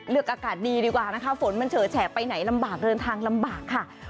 อากาศดีดีกว่านะคะฝนมันเฉอแฉะไปไหนลำบากเดินทางลำบากค่ะ